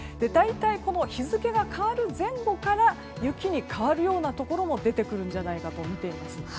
大体、日付が変わる前後から雪に変わるようなところも出てくるんじゃないかとみています。